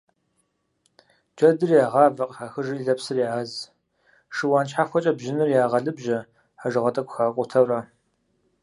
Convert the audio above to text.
Джэдыр ягъавэ къыхахыжри лэпсыр яз, шыуан щхьэхуэкӀэ бжьыныр ягъэлыбжьэ, хьэжыгъэ тӀэкӀу хакӀутэурэ.